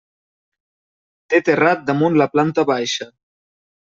Té terrat damunt la planta baixa.